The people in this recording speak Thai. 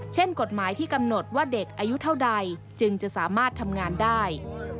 กฎหมายที่กำหนดว่าเด็กอายุเท่าใดจึงจะสามารถทำงานได้